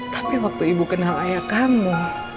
tapi waktu ibu kenal ayah kamu